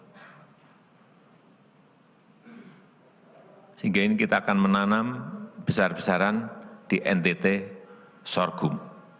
sehingga ini kita akan menanam besar besaran di ntt sorghum